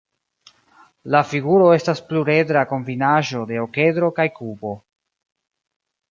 La figuro estas pluredra kombinaĵo de okedro kaj kubo.